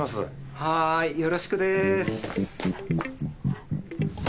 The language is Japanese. はいよろしくです。